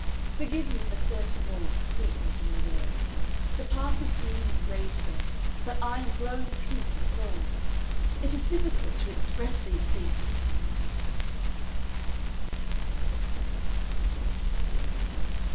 Forgive me if a certain warmth creeps into my words! The Park is green and gray to day, but I am glowing pink and gold.... It is difficult to express these things."